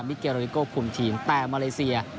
ไมเกร็ริโวมิเกโรลิโกคุยภีร์ชิงแต่มาเลเซีย